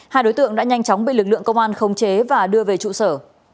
hai đối tượng đã nhanh chóng bị lực lượng công an khống chế và đưa về trụ sở